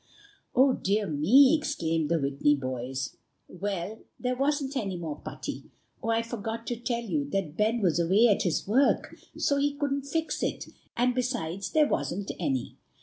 "Oh, dear me!" exclaimed the Whitney boys. "Well, there wasn't any more putty. Oh! I forgot to tell you that Ben was away at his work, so he couldn't fix it, and besides, there wasn't any."